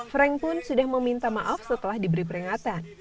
frank pun sudah meminta maaf setelah diberi peringatan